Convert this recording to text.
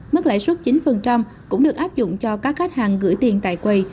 mức lãi suất chín cũng được áp dụng cho các khách hàng gửi tiền tại quầy